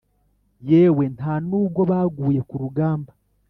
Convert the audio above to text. yewe nta n’ubwo baguye ku rugamba.